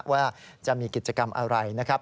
ว่าจะมีกิจกรรมอะไรนะครับ